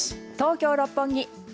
東京・六本木